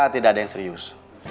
tidak ada yang serius